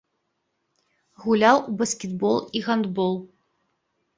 Гуляў у баскетбол і гандбол.